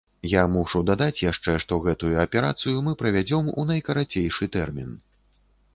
Я мушу дадаць яшчэ, што гэтую аперацыю мы правядзём у найкарацейшы тэрмін.